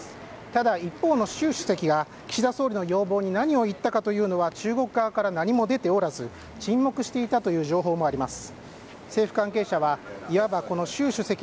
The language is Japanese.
ただ、一方の習主席が岸田総理の要望に何を言ったかというのは中国側から何も出ておらず沈黙していたという情報もあります。